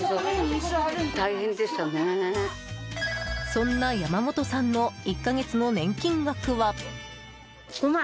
そんな山本さんの１か月の年金額は？